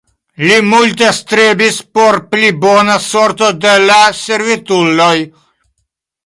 Li multe strebis por pli bona sorto de la servutuloj.